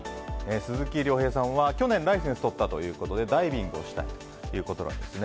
鈴木亮平さんは去年ライセンスをとったということでダイビングをしたいということです。